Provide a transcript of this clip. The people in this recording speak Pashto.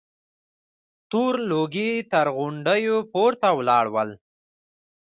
تور لوګي تر غونډيو پورته ولاړ ول.